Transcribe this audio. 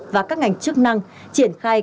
và các ngành chức năng triển khai